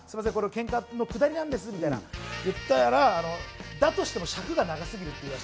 ケンカのくだりなんですって言ったら、だとしても尺が長すぎる。